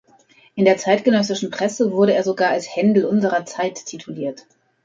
In der zeitgenössischen Presse wurde er sogar als „Händel unserer Zeit“ tituliert.